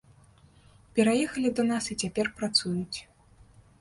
Пераехалі да нас і цяпер працуюць.